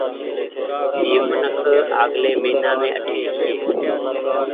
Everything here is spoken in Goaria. اي منک آگلي مهينآ مين اٺي ويئي۔